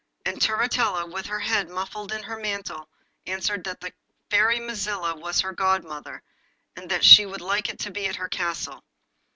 And Turritella, with her head muffled in her mantle, answered that the Fairy Mazilla was her godmother, and that she would like it to be at her castle.